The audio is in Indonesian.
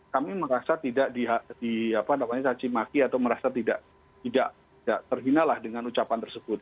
kami merasa tidak dihina dengan ucapan tersebut